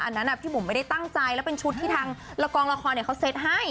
อันนั้นพี่บุ๋มไม่ได้ตั้งใจแล้วเป็นชุดที่ทางกองละครเขาเซ็ตให้